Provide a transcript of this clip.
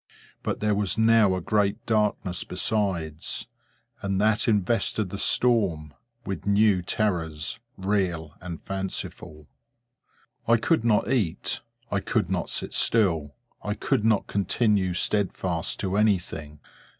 But there was now a great darkness besides; and that invested the storm with new terrors, real and fanciful. I could not eat, I could not sit still, I could not continue steadfast to anything.